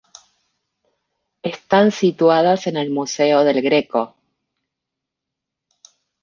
Están situadas en el museo del Greco.